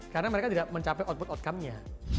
karena mereka tidak mencapai output outcome nya